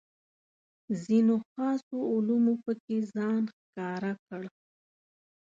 ځینو خاصو علومو پکې ځان ښکاره کړ.